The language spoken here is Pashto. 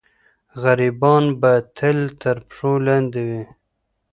غریبان به تل تر پښو لاندې وي.